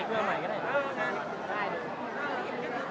สวัสดีครับ